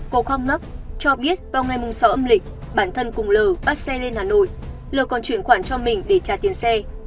cô khóc ngất cho biết vào ngày mùng sáu âm lịch bản thân cùng l t t l bắt xe lên hà nội l t t l còn chuyển khoản cho mình để trả tiền xe